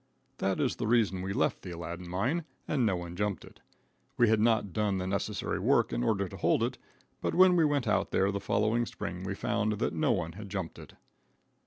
That is the reason we left the Aladdin mine and no one jumped it. We had not done the necessary work in order to hold it, but when we went out there the following spring we found that no one had jumped it.